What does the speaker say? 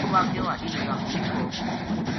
یوہ واقعو حاجی نظام دین کو